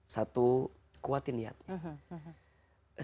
satu kuatkan niatnya